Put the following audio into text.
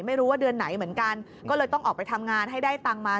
ไม่รู้ว่าเดือนไหนเหมือนกันก็เลยต้องออกไปทำงานให้ได้ตังค์มา